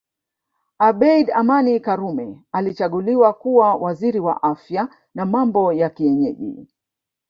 Abeid Amani Karume alichaguliwa kuwa Waziri wa Afya na Mambo ya Kienyeji